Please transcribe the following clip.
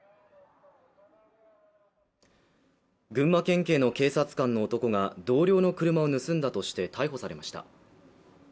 群馬県警の警察官の男が同僚の車を盗んだとして逮捕されました。